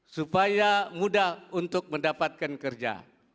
supaya mudah untuk mendapatkan kerja